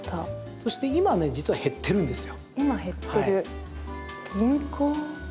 そして今、実は減ってるんですよ。